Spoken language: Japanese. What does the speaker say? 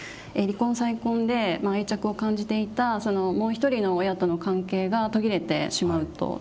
離婚再婚で愛着を感じていたもう一人の親との関係が途切れてしまうと。